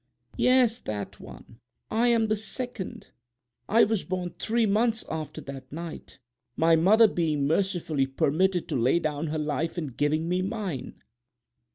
"Yes, that one—I am the second. I was born three months after that night, my mother being mercifully permitted to lay down her life in giving me mine."